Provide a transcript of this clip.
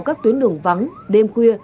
các tuyến đường vắng đêm khuya